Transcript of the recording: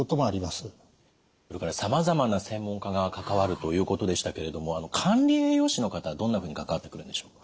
それからさまざまな専門家が関わるということでしたけれども管理栄養士の方はどんなふうに関わってくるんでしょう？